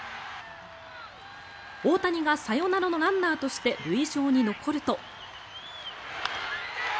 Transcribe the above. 大谷がサヨナラのランナーとして塁上に残ると。